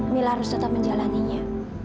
mila harus tetap menjalannya